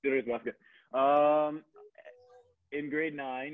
di grade sembilan kan